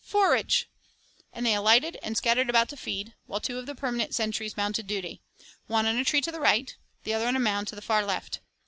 'Forage!' and they alighted and scattered about to feed, while two of the permanent sentries mounted duty one on a tree to the right, the other on a mound to the far left.